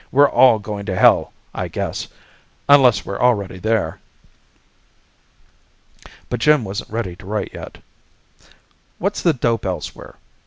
We're all going to hell, I guess unless we're already there." But Jim wasn't ready to write yet. "What's the dope elsewhere?